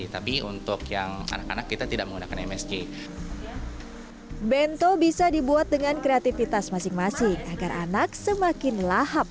tidak menggunakan msg bento bisa dibuat dengan kreativitas masing masing agar anak semakin lahap